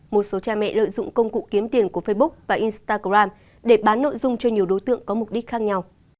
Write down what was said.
một số cha mẹ lợi dụng công cụ kiếm tiền của facebook và instagram để bán nội dung cho nhiều đối tượng có mục đích khác nhau